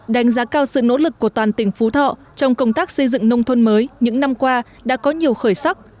đánh giá cao sự nỗ lực của toàn tỉnh phú thọ trong công tác xây dựng nông thôn mới những năm qua đã có nhiều khởi sắc